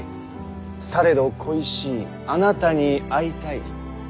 されど恋しいあなたに会いたい。